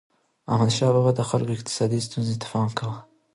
احمدشاه بابا به د خلکو اقتصادي ستونزو ته پام کاوه.